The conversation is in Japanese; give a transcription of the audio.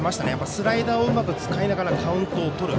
スライダーをうまく使いながらカウントをとる。